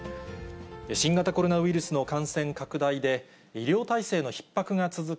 新型コロナウイルスの感染拡大で、医療体制のひっ迫が続く